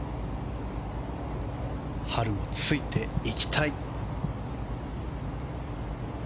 ハルもついていきたい。